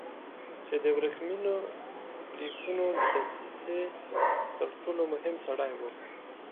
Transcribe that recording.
چې د ورېښمینو لیکونو د دسیسې تر ټولو مهم سړی و.